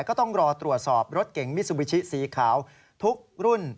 ก็ต้องรอตรวจสอบรถเก่งมิซูบิชิสีขาวทุกรุ่น